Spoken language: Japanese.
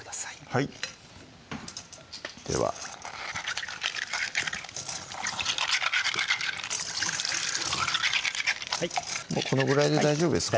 はいではこのぐらいで大丈夫ですか？